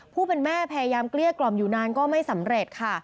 ผู้เป็นแม่พยายามเกลี้ยกล่อมอยู่นานก็ไม่สำเร็จค่ะ